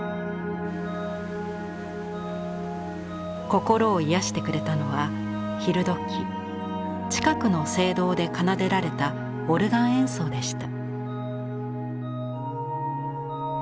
心を癒やしてくれたのは昼どき近くの聖堂で奏でられたオルガン演奏でした。